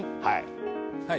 はい。